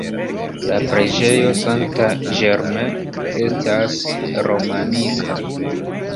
La preĝejo Sankta Germain estas romanika.